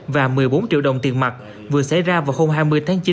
và một mươi bốn triệu đồng tiền mặt vừa xảy ra vào hôm hai mươi tháng chín